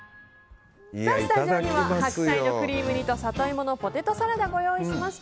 スタジオには白菜のクリーム煮とサトイモのポテトサラダご用意しました。